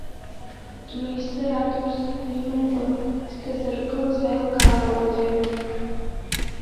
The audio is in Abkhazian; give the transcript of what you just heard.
Дмеисыр ада ԥсыхәа имамкәа дҭазыргылаз аилкаара уадаҩын.